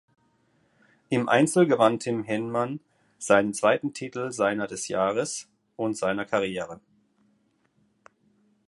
Im Einzel gewann Tim Henman seinen zweiten Titel seiner des Jahres und seiner Karriere.